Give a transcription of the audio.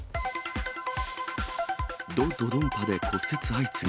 ド・ドドンパで骨折相次ぐ。